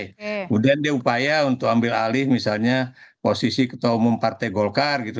kemudian dia upaya untuk ambil alih misalnya posisi ketua umum partai golkar gitu